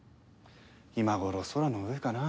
今頃空の上かな。